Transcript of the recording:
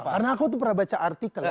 karena aku tuh pernah baca artikel